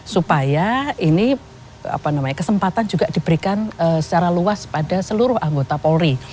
supaya ini kesempatan juga diberikan secara luas pada seluruh anggota polri